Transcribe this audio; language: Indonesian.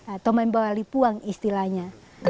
atau membali puang istilahnya